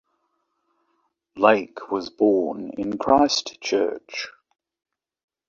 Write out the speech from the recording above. Lake was born in Christchurch.